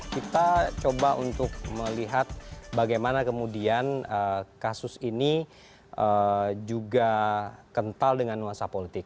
kita coba untuk melihat bagaimana kemudian kasus ini juga kental dengan nuansa politik